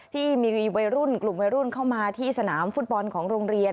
ที่มีวัยรุ่นกลุ่มวัยรุ่นเข้ามาที่สนามฟุตบอลของโรงเรียน